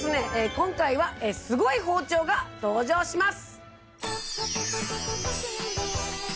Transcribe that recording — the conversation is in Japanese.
今回はすごい包丁が登場します。